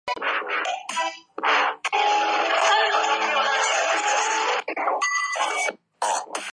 顺天府乡试第十五名。